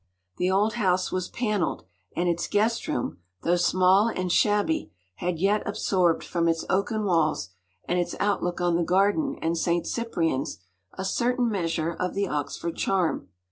The old house was panelled, and its guest room, though small and shabby, had yet absorbed from its oaken walls, and its outlook on the garden and St. Cyprian’s, a certain measure of the Oxford charm.